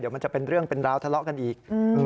มันจะเป็นเรื่องเป็นราวทะเลาะกันอีก